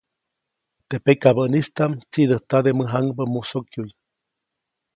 Teʼ pakabäʼnistaʼm tsiʼdäjtabäde mäjaŋbä musokyuʼy.